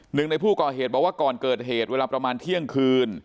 หนึ่งในผู้ก่อเหตุบอกว่าก่อนเกิดเหตุเวลาประมาณเที่ยงคืน